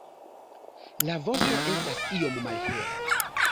La vosto estas iom malhela.